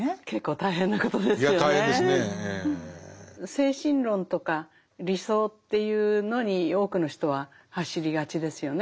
精神論とか理想っていうのに多くの人は走りがちですよね。